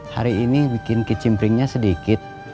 hari ini bikin kicimpringnya sedikit